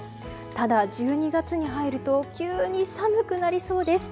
ただ、１２月に入ると急に寒くなりそうです。